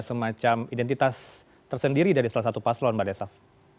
semacam identitas tersendiri dari salah satu paslon mbak desaf